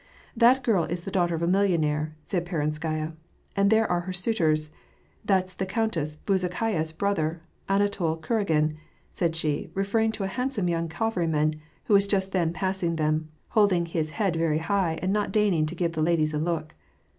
<' That girl is the daughter of a millionnaire," said Peron skaya ;" and there are her suitors. That's the Countess Bezu khaya's brother, Anatol Kuragin," said she, referring to a hand some young cavalryman, who was just then passing them, holding his head very high, and not deigning to give the ladies a look.